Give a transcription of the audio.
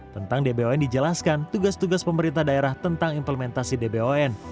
tentang dbon dijelaskan tugas tugas pemerintah daerah tentang implementasi dbon